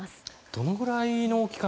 どのぐらいの期間